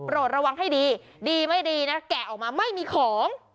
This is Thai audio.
ระวังให้ดีดีไม่ดีนะแกะออกมาไม่มีของ